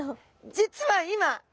実は今え！？